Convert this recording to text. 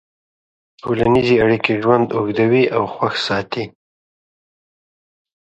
ټولنیزې اړیکې ژوند اوږدوي او خوښ ساتي.